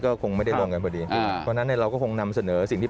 ก็คงไม่ได้ลงกันพอดี